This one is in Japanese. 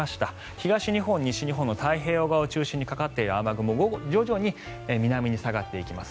東日本、西日本の太平洋側を中心にかかっている雨雲徐々に南に下がっていきます。